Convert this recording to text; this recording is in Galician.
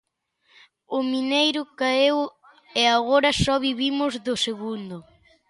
O mineiro caeu e agora só vivimos do segundo.